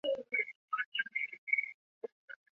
马韶因此官至太常博士。